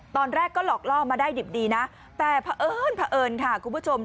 ตอนแรกก็หลอกล่อมาได้ดิบดีนะแต่เผอิญเผอิญค่ะคุณผู้ชม